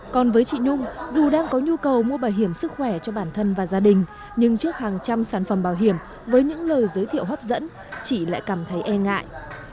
còn với chị nung dù đang có nhu cầu mua bảo hiểm sức khỏe cho bản thân và gia đình nhưng trước hàng trăm sản phẩm bảo hiểm với những lời giới thiệu hấp dẫn chị lại cảm thấy e ngại